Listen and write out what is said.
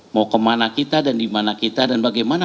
mau kemana kita dan dimana kita dan bagaimana